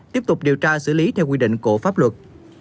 tiếp tục điều tra xử lý theo quy định của pháp luật